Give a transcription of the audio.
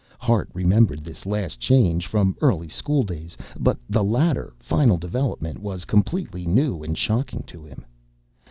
Hart remembered this last change from early school days but the later, final development was completely new and shocking to him.